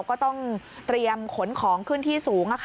ก็ต้องเตรียมขนของขึ้นที่สูง